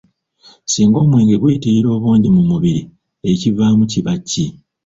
"Singa omwenge guyitirira obungi mu mubiri, ekivaamu kiba ki?"